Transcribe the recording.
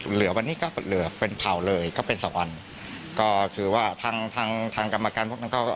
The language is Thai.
เหลือวันนี้ก็เหลือเป็นเผาเลยก็เป็นสองวันก็คือว่าทางทางทางกรรมการพบมันก็